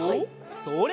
それ！